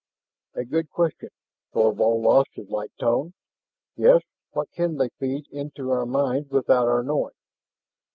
"A good question." Thorvald lost his light tone. "Yes, what can they feed into our minds without our knowing?